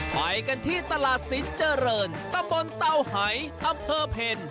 ไปกันที่ตลาดศิษย์เจริญตำบลเต้าไหยอำเภอเพ็ญ